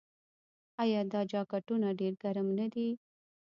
آیا دا جاکټونه ډیر ګرم نه دي؟